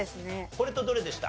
これとどれでした？